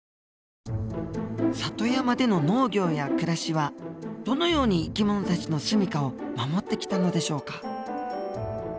里山での農業や暮らしはどのように生き物たちの住みかを守ってきたのでしょうか？